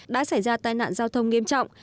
đã xảy ra tai nạn giao thông nghiêm trọng